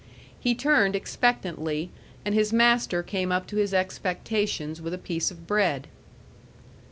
He turned expectantly, and his master came up to his expectations with a piece of bread.